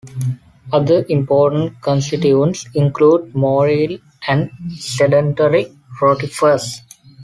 Other important constituents include motile and sedentary Rotifers.